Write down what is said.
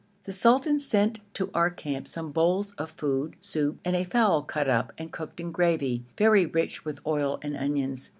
The sultan sent to our camp some bowls of food, soup, and a fowl cut up and cooked in gravy, very rich with oil and onions.